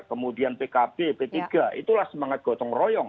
kemudian pkb p tiga itulah semangat gotong royong